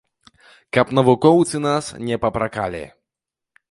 Каб навукоўцы нас не папракалі.